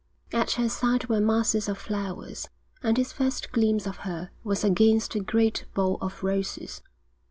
At her side were masses of flowers, and his first glimpse of her was against a great bowl of roses.